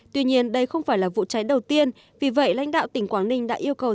tuy nhiên đây không phải là vụ cháy đầu tiên vì vậy lãnh đạo tỉnh quảng ninh đã yêu cầu